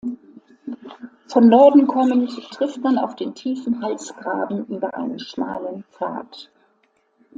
Von Norden kommend trifft man auf den tiefen Halsgraben über einen schmalen Pfad.